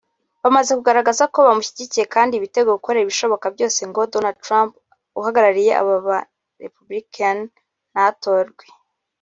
bamaze kugaragaza ko bamushyigikiye kandi biteguye gukora ibishoboka byose ngo Donald Trump uhagarariye Aba-republicain ntatorwe